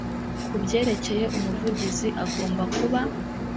kubyerekeye umuvugizi agomba kuba